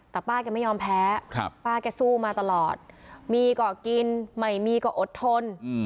แต่ป้าแกไม่ยอมแพ้ป้าแกสู้มาตลอดมีก็กินไม่มีก็อดทน